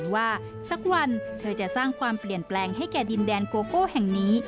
ว่าสักวันเธอจะสร้างความเปลี่ยนแปลงให้แก่ดินแดนโกโก้แห่งนี้